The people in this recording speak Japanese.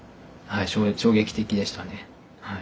衝撃的でしたね。